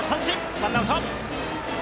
ワンアウト。